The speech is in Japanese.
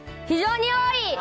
非常に多い。